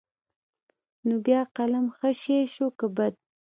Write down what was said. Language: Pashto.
نو بيا قلم ښه شى شو که بد.